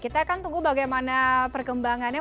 kita akan tunggu bagaimana perkembangannya